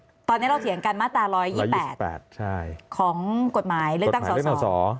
เอ่อตอนนี้เราเฉียงการมาตรา๑๒๘ของกฎหมายเลือกตั้งเรื่องสม